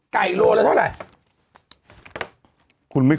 ไก่โลว่าเท่าไร